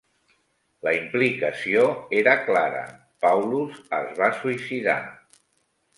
La implicació era clara: Paulus es va suïcidar.